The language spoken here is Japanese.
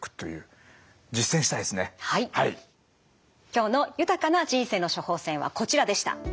今日の豊かな人生の処方せんはこちらでした。